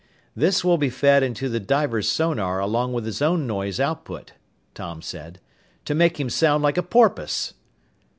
"This will be fed into the diver's sonar along with his own noise output," Tom said, "to make him sound like a porpoise."